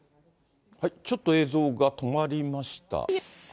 ちょっと映像が止まりました。